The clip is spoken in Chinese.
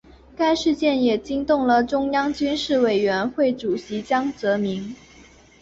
该事件也惊动了中央军事委员会主席江泽民。